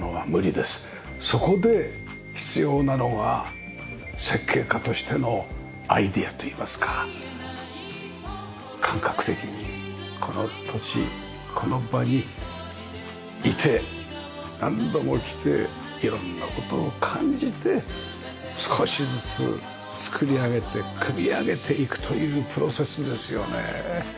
そこで必要なのは設計家としてのアイデアといいますか感覚的にこの土地この場にいて何度も来て色んな事を感じて少しずつ作り上げて組み上げていくというプロセスですよね。